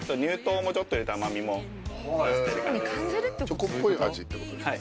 チョコっぽい味って事ですね。